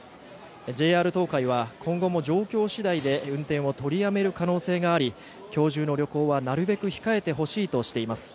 ＪＲ東海は今後も状況次第で運転を取りやめる可能性があり今日中の旅行はなるべく控えてしてほしいとしています。